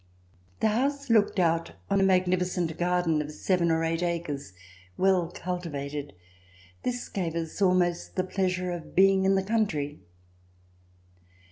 The house looked out on a magnificent garden of seven or eight acres, well RETURN OF THE KING cultivated. This gave us almost the pleasure of being in the country.